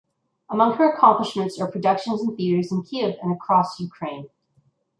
Among her accomplishments are productions in theaters in Kyiv and across Ukraine.